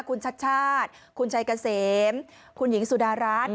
คุณชัดชาติคุณชัยเกษมคุณหญิงสุดารัฐ